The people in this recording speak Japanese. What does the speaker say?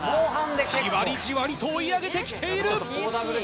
じわりじわりと追い上げて来ている。